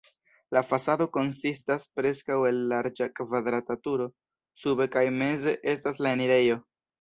La fasado konsistas preskaŭ el larĝa kvadrata turo, sube kaj meze estas la enirejo.